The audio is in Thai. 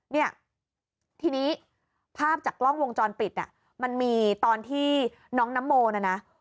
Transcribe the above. เนี่ยทีนี้ภาพจากกล้องวงจรปิดอ่ะมันมีตอนที่น้องน้ำโมนะนะ